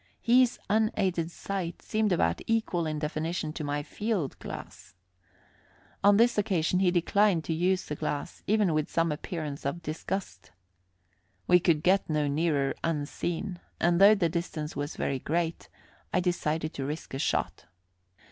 His unaided sight seemed about equal in definition to my field glass. On this occasion he declined to use the glass, even with some appearance of disgust. We could get no nearer unseen, and, though the distance was very great, I decided to risk a shot.